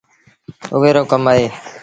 اُئي رو ڪم اهي۔